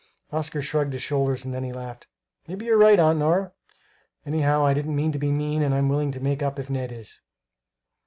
Oscar shrugged his shoulders; then he laughed. "Maybe you're right, Aunt Nora. Anyhow I didn't mean to be mean and I'm willing to make up if Ned is!"